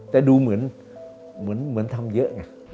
แต่ดูเหมือนทำเยอะไง